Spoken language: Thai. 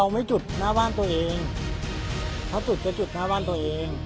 อัศวินไทย